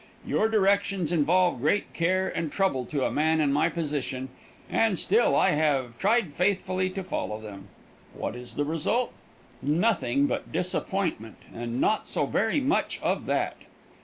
Your directions involve great care and trouble to a man in my position, and still I have tried faithfully to follow them. What is the result? Nothing but disappointment, and not so very much of that.